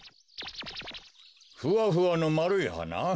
ふわふわのまるいはな？